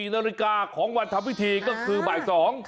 นาฬิกาของวันทำพิธีก็คือบ่าย๒